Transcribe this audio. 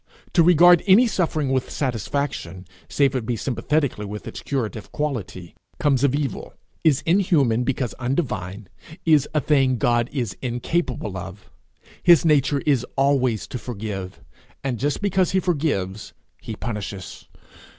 To regard any suffering with satisfaction, save it be sympathetically with its curative quality, comes of evil, is inhuman because undivine, is a thing God is incapable of. His nature is always to forgive, and just because he forgives, he punishes.